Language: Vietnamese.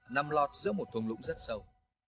nằm lọt giữa một thùng lũng rất sâu